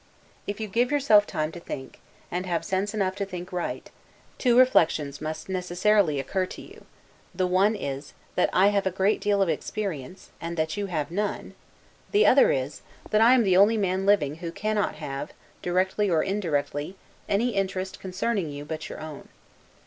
If you give yourself time to think, and have sense enough to think right, two reflections must necessarily occur to you; the one is, that I have a great deal of experience, and that you have none: the other is, that I am the only man living who cannot have, directly or indirectly, any interest concerning you, but your own.